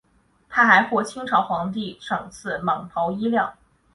他还获清朝皇帝赏赐蟒袍衣料。